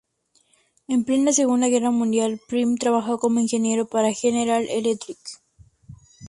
En plena Segunda Guerra Mundial, Prim trabajó como ingeniero para "General Electric".